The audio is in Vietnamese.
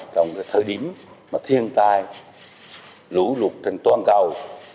trong cái thời điểm mà thiên tai lũ lụt trên toàn cầu